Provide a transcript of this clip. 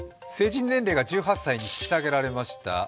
成人年齢が１８歳に引き下げられました。